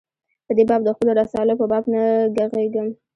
په دې باب د خپلو رسالو په باب نه ږغېږم.